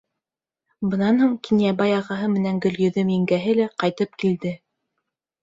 Бынан һуң Кинйәбай ағаһы менән Гөлйөҙөм еңгәһе лә ҡайтып килде.